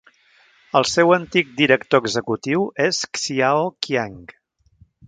El seu antic director executiu és Xiao Qiang.